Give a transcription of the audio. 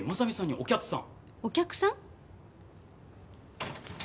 お客さん？